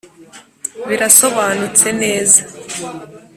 birasobanutse neza